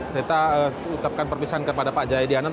kita mengucapkan perpisahan kepada pak jaidi anand